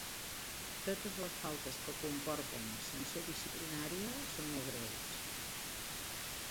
Totes les faltes que comporten sanció disciplinària són molt greus.